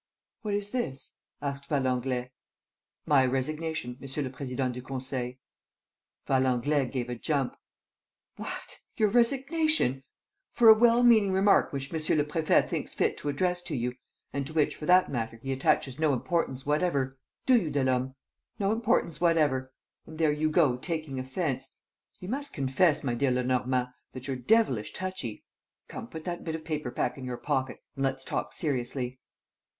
"What is this?" asked Valenglay. "My resignation, Monsieur le Président du Conseil." Valenglay gave a jump: "What! Your resignation! For a well meaning remark which Monsieur le Préfet thinks fit to address to you and to which, for that matter, he attaches no importance whatever do you, Delaume? No importance whatever and there you go, taking offence! You must confess, my dear Lenormand, that you're devilish touchy! Come, put that bit of paper back in your pocket and let's talk seriously."